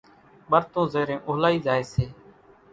ٻرتون زيرين اولائي زائي سي،